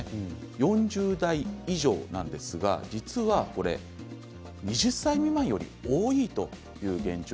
４０代以上なんですが実は２０歳未満よりも多いんです。